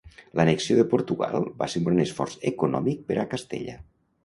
L'annexió de Portugal va ser un gran esforç econòmic per a Castella.